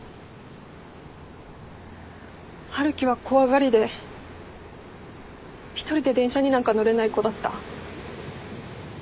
春樹は怖がりで一人で電車になんか乗れない子だった。